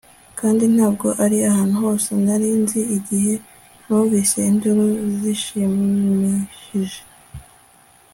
kandi ntabwo ari ahantu hose. nari nzi igihe numvise induru zishimishije